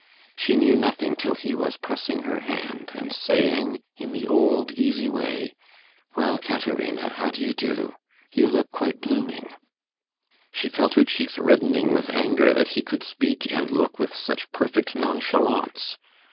She knew nothing till he was pressing her hand, and saying, in the old easy way, 'Well, Caterina, how do you do? You look quite blooming.' She felt her cheeks reddening with anger that he could speak and look with such perfect nonchalance.